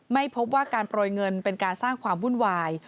ไม่พบว่าการโปรยเงินเป็นการสร้างความวุ่นวาย